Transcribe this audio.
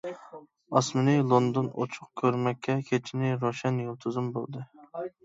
ئاسمىنى لوندون ئوچۇق كۆرمەككە كېچىنى روشەن يۇلتۇزۇم بولدى.